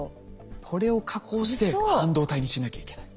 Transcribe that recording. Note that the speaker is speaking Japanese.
これを加工して半導体にしなきゃいけない。